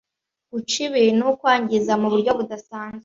Guca ibintu: kwangiza mu buryo budasanzwe